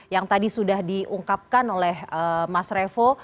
yang tadi sudah diungkapkan oleh mas revo